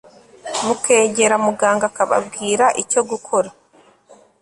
mukegera muganga akababwira icyo gukora